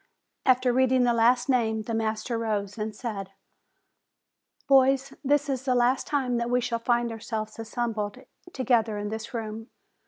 After read ing the last name, the master rose and said: "Boys, this is the last time that we shall find our selves assembled together in this room.